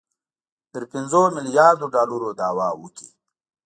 تر پنځو میلیاردو ډالرو دعوه وکړي